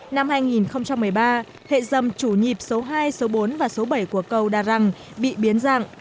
năm hai nghìn một mươi ba hệ dầm chủ nhịp số hai số bốn và số bảy của cầu đà răng bị biến dạng